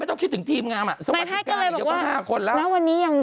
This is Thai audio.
ไม่ต้องคิดการจึงทีมงาม